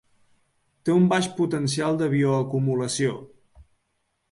Té un baix potencial de bioacumulació.